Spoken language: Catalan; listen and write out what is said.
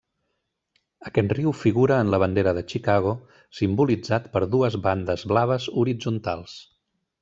Aquest riu figura en la bandera de Chicago simbolitzat per dues bandes blaves horitzontals.